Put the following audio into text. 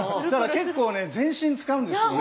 結構ね全身使うんですよね。